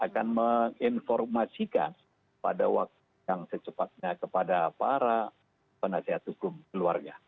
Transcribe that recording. akan menginformasikan pada waktu yang secepatnya kepada para penasihat hukum keluarga